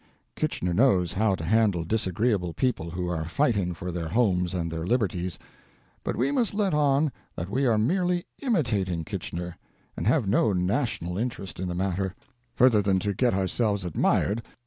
Kitchener knows how to handle disagreeable people who are fighting for their homes and their liberties, and we must let on that we are merely imitating Kitchener, and have no national in terest in the matter, further than to get ourselves admired by the ""Rebels!"